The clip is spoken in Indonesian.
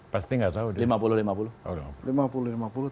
pasti nggak tahu deh